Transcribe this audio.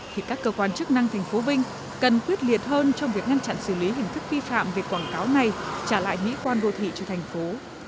thì các cơ quan chức năng tp vinh cần quyết liệt hơn trong việc ngăn chặn xử lý hình thức vi phạm về quảng cáo này trả lại mỹ quan đô thị cho thành phố